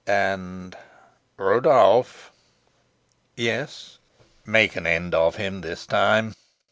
And Rudolf!" "Yes?" "Make an end of him this time."